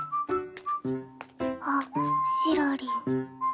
あっシロリン。